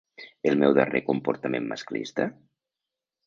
El meu darrer comportament masclista?